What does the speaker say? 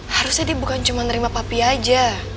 harusnya dia bukan cuma nerima papi aja